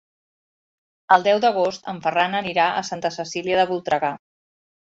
El deu d'agost en Ferran anirà a Santa Cecília de Voltregà.